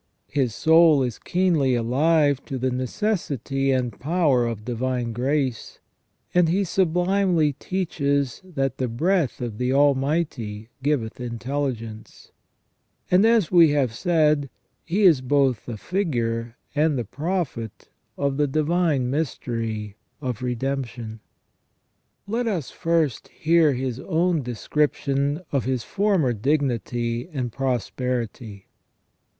His soul is keenly alive to the necessity and power of divine grace, and he sublimely teaches that " the breath of the Almighty giveth intelligence ". And, as we have said, he is both the figure and the prophet of the Divine Mystery of Redemption. Let us first hear his own description of his former dignity and prosperity.